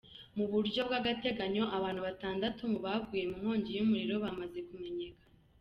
Mu buryo bw'agateganyo, abantu batandatu mu baguye mu nkongi y'umuriro bamaze kumenyekana.